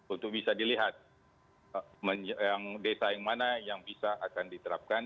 untuk bisa dilihat yang desa yang mana yang bisa akan diterapkan